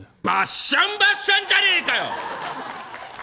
バッシャンバッシャンじゃねえかよ！